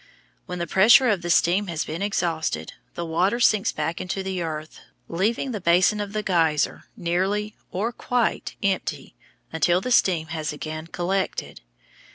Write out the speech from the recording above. When the pressure of the steam has become exhausted, the water sinks back into the earth, leaving the basin of the geyser nearly or quite empty until the steam has again collected.